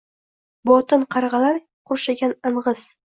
botin – qarg’alar qurshagan ang’iz